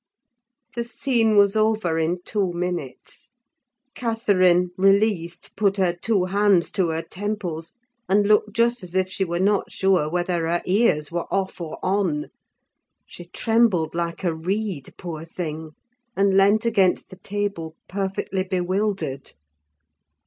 The scene was over in two minutes; Catherine, released, put her two hands to her temples, and looked just as if she were not sure whether her ears were off or on. She trembled like a reed, poor thing, and leant against the table perfectly bewildered.